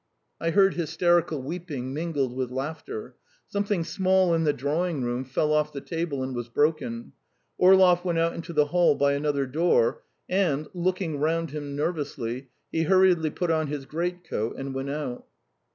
I heard hysterical weeping mingled with laughter. Something small in the drawing room fell off the table and was broken. Orlov went out into the hall by another door, and, looking round him nervously, he hurriedly put on his great coat and went out.